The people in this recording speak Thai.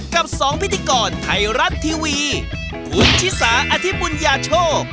กับสองพิธีกรไทยรัฐทีวีคุณชิสาอธิบุญญาโชค